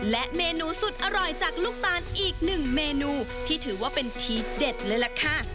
และเมนูสุดอร่อยจากลูกตาลอีกหนึ่งเมนูที่ถือว่าเป็นทีเด็ดเลยล่ะค่ะ